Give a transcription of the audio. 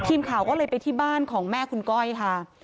ทีมข่าวก็เลยไปที่บ้านของแม่คุณก้อยค่ะ